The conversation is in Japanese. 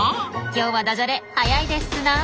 今日はダジャレ早いでスナ。